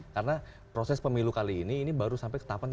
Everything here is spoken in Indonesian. karena proses pemilu kali ini ini baru sampai ketapan di kpu